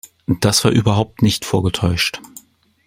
Das war überhaupt nicht vorgetäuscht!